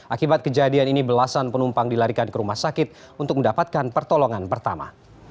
akibat kejadian ini belasan penumpang dilarikan ke rumah sakit untuk mendapatkan pertolongan pertama